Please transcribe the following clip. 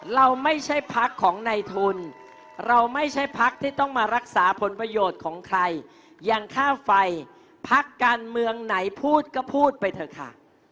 เราไม่ใช่พักของในทุนเราไม่ใช่พักที่ต้องมารักษาผลประโยชน์ของใครอย่างค่าไฟพักการเมืองไหนพูดก็พูดไปเถอะค่ะ